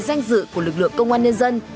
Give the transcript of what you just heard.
danh dự của lực lượng công an nhân dân